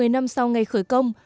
một mươi năm sau ngày khởi công